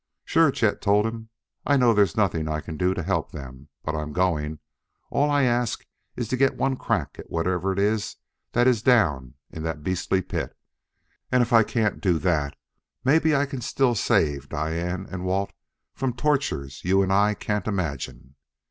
"Sure," Chet told him: "I know there's nothing I can do to help them. But I'm going. All I ask is to get one crack at whatever it is that is down in that beastly pit and if I can't do that maybe I can still save Diane and Walt from tortures you and I can't imagine."